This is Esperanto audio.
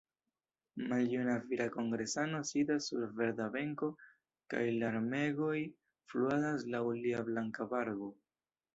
Maljuna vira kongresano sidas sur verda benko kaj larmegoj fluadas laŭ lia blanka barbo.